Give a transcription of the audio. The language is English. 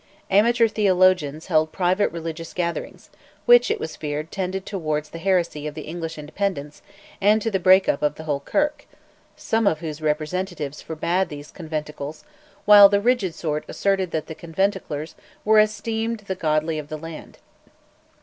Amateur theologians held private religious gatherings, which, it was feared, tended towards the heresy of the English Independents and to the "break up of the whole Kirk," some of whose representatives forbade these conventicles, while "the rigid sort" asserted that the conventiclers "were esteemed the godly of the land."